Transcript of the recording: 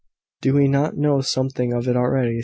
"Do we not know something of it already?"